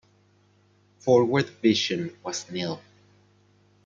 Forward vision was nil.